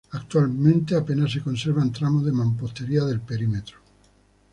Actualmente apenas se conservan tramos de mampostería del perímetro.